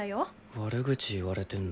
悪口言われてんだ。